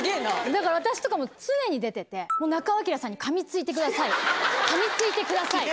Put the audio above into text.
だから私とかも常に出てて、中尾彬さんにかみついてください。